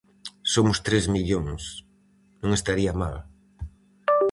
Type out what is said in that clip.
Somos tres millóns, non estaría mal...